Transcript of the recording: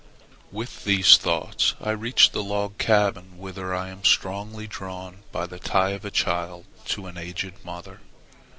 With these thoughts I reach the log cabin whither I am strongly drawn by the tie of a child to an aged mother.